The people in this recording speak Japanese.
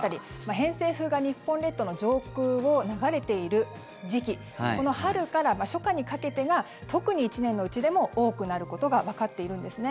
偏西風が日本列島の上空を流れている時期この春から初夏にかけてが特に１年のうちでも多くなることがわかっているんですね。